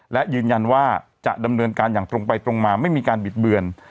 และยืนยันว่าจะดำเนินการอย่างตรงไปตรงมาไม่มีการบิดเบือน